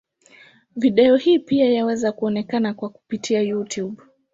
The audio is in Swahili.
Video hii pia yaweza kuonekana kwa kupitia Youtube.